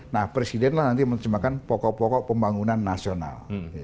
nah presiden lah nanti menerjemahkan pokok pokok pembangunan nasional